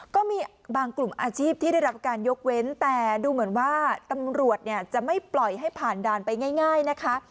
ก็มีบางกลุ่มอาชีพที่ได้รับการยกเว้นแต่ดูเหมือนว่าตำรวจเนี่ยจะไม่ปล่อยให้ผ่านด่านไปง่ายนะคะ